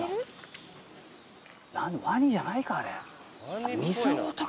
ワニじゃないかあれ。